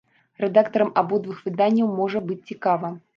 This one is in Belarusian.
Рэдактарам абодвух выданняў можа быць цікава.